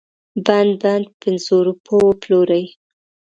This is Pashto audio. بند بند په پنځو روپو وپلوري.